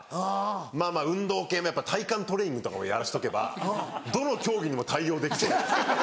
まぁまぁ運動系も体幹トレーニングとかをやらしとけばどの競技にも対応できそうじゃないですか。